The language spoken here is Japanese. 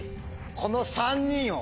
この３人を！